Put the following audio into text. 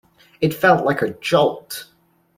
It felt like a jolt.